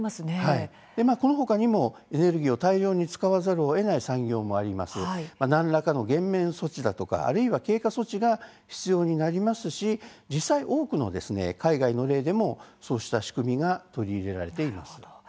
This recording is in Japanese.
このほかにも、エネルギーを大量に使わざるをえない産業もありますし何らかの減免措置だとか経過措置が必要になりますし実際、多くの海外の例でもそうした仕組みが取り入れられています。